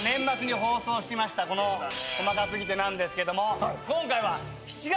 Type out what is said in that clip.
この『細かすぎて』なんですけども今回は７月に開催！